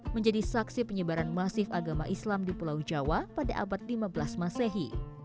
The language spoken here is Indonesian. menjadi saksi penyebaran masif agama islam di pulau jawa pada abad lima belas masehi